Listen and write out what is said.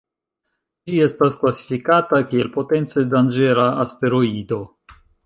Ĝi estas klasifikata kiel potence danĝera asteroido.